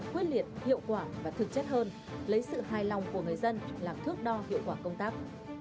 quyết liệt hiệu quả và thực chất hơn lấy sự hài lòng của người dân làm thước đo hiệu quả công tác